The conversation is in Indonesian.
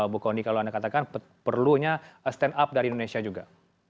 bu kondi kalau anda katakan perlunya stand up dari indonesia juga